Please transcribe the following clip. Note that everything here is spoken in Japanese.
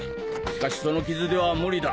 しかしその傷では無理だ。